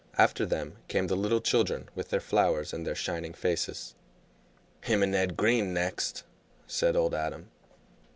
After them came the little children with their flowers and their shining faces. "Him and Ed Green next," said old Adam.